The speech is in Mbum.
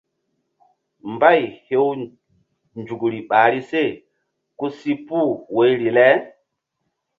Mbay hew nzukri ɓahri se ku si puh woyri le.